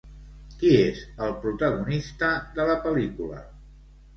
Qui és el protagonista de la pel·lícula?